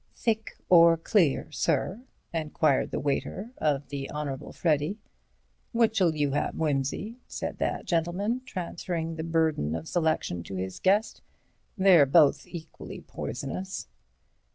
"Thick or clear, sir?" enquired the waiter of the Honourable Freddy. "Which'll you have, Wimsey?" said that gentleman, transferring the burden of selection to his guest, "they're both equally poisonous."